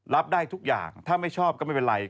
รับได้ทุกอย่างถ้าไม่ชอบก็ไม่เป็นไร